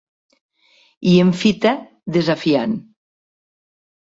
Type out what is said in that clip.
I em fita, desafiant.